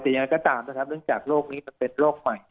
แต่ยังไงก็ตามนะครับเนื่องจากโรคนี้มันเป็นโรคใหม่